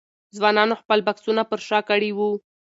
ځوانانو خپل بکسونه پر شا کړي وو.